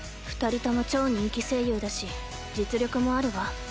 ２人とも超人気声優だし実力もあるわ。